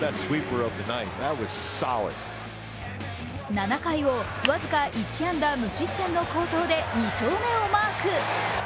７回を僅か１安打無失点の好投で２勝目をマーク。